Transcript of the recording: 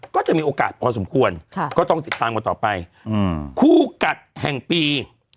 ก็จะมีโอกาสพอสมควรก็ต้องติดตามกันต่อไปคู่กัดแห่งปี